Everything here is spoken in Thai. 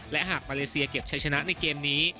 และหากมาเลเซียเก็บชัยชนะในเกมนี้